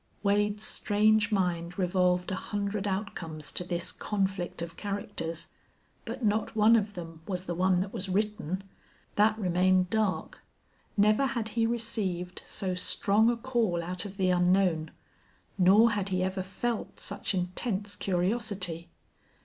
Wade's strange mind revolved a hundred outcomes to this conflict of characters, but not one of them was the one that was written. That remained dark. Never had he received so strong a call out of the unknown, nor had he ever felt such intense curiosity.